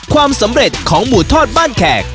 ความสำเร็จของหมูทอดบ้านแขก